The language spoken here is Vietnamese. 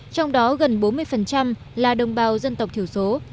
trong đó gần bốn mươi là đồng bào dân tộc thiểu số